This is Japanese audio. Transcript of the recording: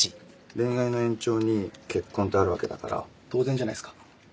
恋愛の延長に結婚ってあるわけだから当然じゃないっすか。